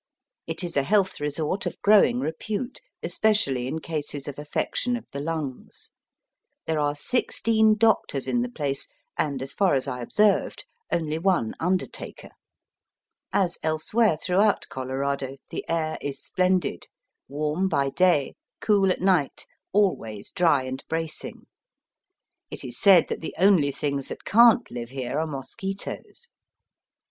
It is a health resort of growing repute, especially in cases of affection of the lungs. There are sixteen doctors in the place, and, as far as I observed, only one undertaker. As elsewhere through out Colorado the air is splendid, warm by day, cool at night, always dry and bracing. It is said that the only things that can't live here are mosquitoes.